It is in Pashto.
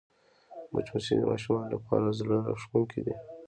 مچمچۍ د ماشومانو لپاره زړهراښکونکې ده